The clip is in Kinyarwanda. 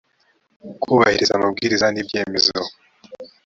kubahiriza amabwiriza n ibyemezo